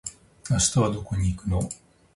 明日はどこに行くの？